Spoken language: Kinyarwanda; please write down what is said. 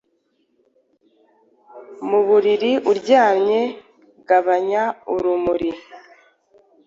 Mu buriri uryamye, gabanya urumuri